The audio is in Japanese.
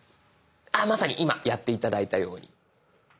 あまさに今やって頂いたように。